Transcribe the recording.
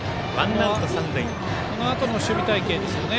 このあとの守備隊形ですね。